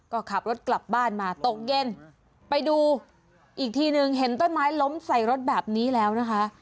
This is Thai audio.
ก็ขับรถกลับบ้านมาตกเย็นไปดูอีกทีหนึ่งเห็นต้นไม้ล้มใส่รถแบบนี้แล้วนะคะ